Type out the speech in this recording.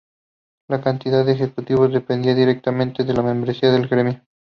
La cantidad de ejecutivos dependía directamente de la membresía en el gremio.